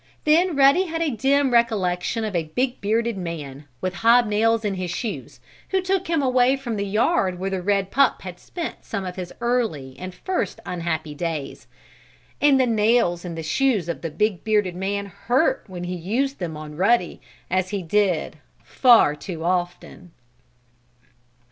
Then Ruddy had a dim recollection of a big bearded man, with hob nails in his shoes, who took him away from the yard where the red pup had spent some of his early and first unhappy days. And the nails in the shoes of the big bearded man hurt when he used them on Ruddy as he did far too often.